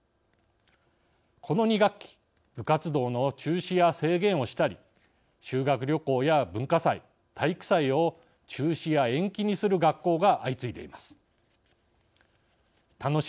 この２学期部活動の中止や制限をしたり修学旅行や文化祭、体育祭を中止や延期にする学校が相次いでいます。